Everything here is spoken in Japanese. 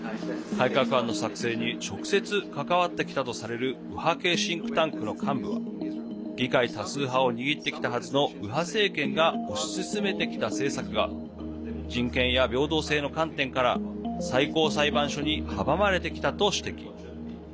改革案の作成に直接、関わってきたとされる右派系シンクタンクの幹部は議会多数派を握ってきたはずの右派政権が推し進めてきた政策が人権や平等性の観点から最高裁判所に阻まれてきたと指摘。